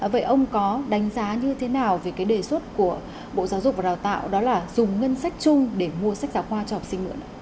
vậy ông có đánh giá như thế nào về cái đề xuất của bộ giáo dục và đào tạo đó là dùng ngân sách chung để mua sách giáo khoa cho học sinh nữa